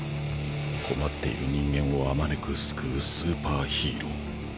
困っている人間を遍く救うスーパーヒーロー。